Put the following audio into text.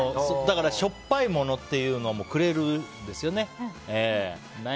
しょっぱいものというのもくれるんですよね。